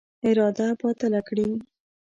اراده باطله کړي.